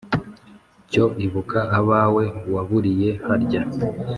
Cyo ibuka abawe waburiye harya